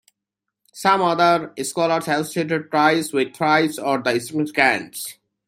Some other scholars associate Tiras with Thrace or the Etruscans.